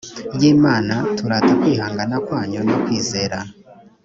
y imana turata kwihangana kwanyu no kwizera